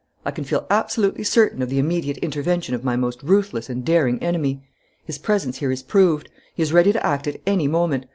I can feel absolutely certain of the immediate intervention of my most ruthless and daring enemy. His presence here is proved. He is ready to act at any moment.